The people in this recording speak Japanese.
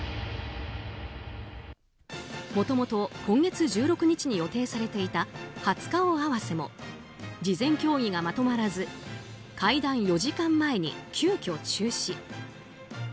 もともと今月１６日に予定されていた初顔合わせも事前協議がまとまらず会談４時間前に急きょ中止。